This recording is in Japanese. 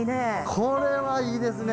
これはいいですね。